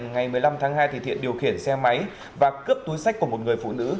ngày một mươi năm tháng hai thiện điều khiển xe máy và cướp túi sách của một người phụ nữ